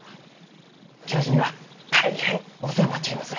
教授には大変お世話になっちょります。